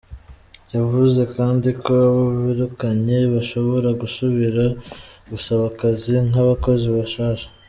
Yavuze kandi ko abo birukanywe bashobora gusubira gusaba akazi nk'abakozi bashasha.